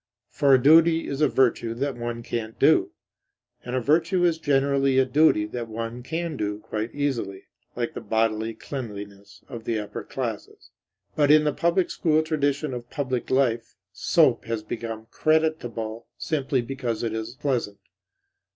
For a duty is a virtue that one can't do. And a virtue is generally a duty that one can do quite easily; like the bodily cleanliness of the upper classes. But in the public school tradition of public life, soap has become creditable simply because it is pleasant.